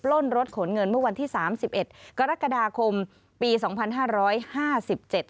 ล่นรถขนเงินเมื่อวันที่สามสิบเอ็ดกรกฎาคมปีสองพันห้าร้อยห้าสิบเจ็ด